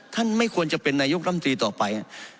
ไม่ควรจะเป็นนายกรัมตรีต่อไป